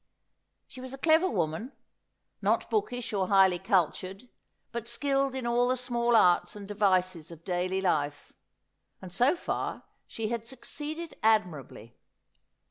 She was a clever woman — not bookish or highly cultured ■— but skilled in all the small arts and devices of daily life ; and so far she had succeeded admirably.